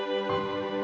pesek air papi